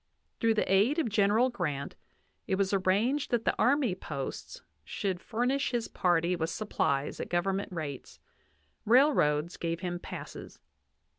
Through the aid of General Grant, it was arranged that the army posts should f urnish his party with supplies at government rates ; railroads gave him passes.